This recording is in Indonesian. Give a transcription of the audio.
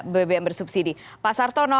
bbm bersubsidi pak sartono